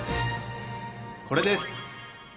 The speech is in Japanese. これです！